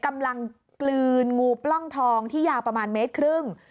กลืนงูปล้องทองที่ยาวประมาณเมตรครึ่ง